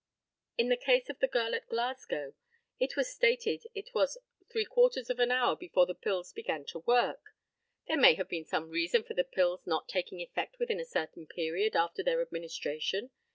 In the case of the girl at Glasgow, it was stated that it was three quarters of an hour before the pills began to work. There may have been some reason for the pills not taking effect within a certain period after their administration.